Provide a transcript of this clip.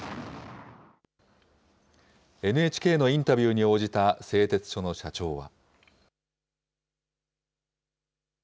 ＮＨＫのインタビューに応じた製鉄所の社長は。